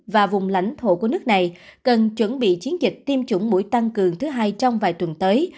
và vùng lãnh thổ của nước này cần chuẩn bị chiến dịch tiêm chủng mũi tăng cường thứ hai trong vài tuần tới